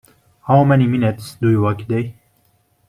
How many minutes do you walk a day?